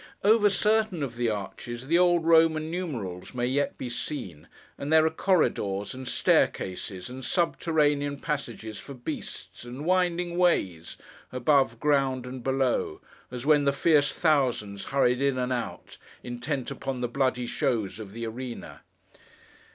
Over certain of the arches, the old Roman numerals may yet be seen; and there are corridors, and staircases, and subterranean passages for beasts, and winding ways, above ground and below, as when the fierce thousands hurried in and out, intent upon the bloody shows of the arena.